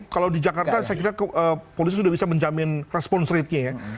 kalau di jakarta saya kira polisi sudah bisa menjamin respons ratenya ya